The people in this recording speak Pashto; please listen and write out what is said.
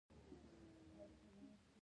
د جنګ طرف وي.